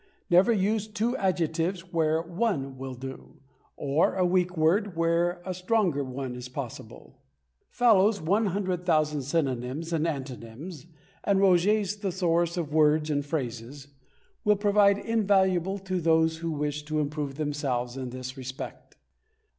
Never use two adjectives where one will do, or a weak word where a stronger one is possible. Fallows' 100,000 Synonyms and Antonyms and Roget's Thesaurus of Words and Phrases will prove invaluable to those who wish to improve themselves in this respect.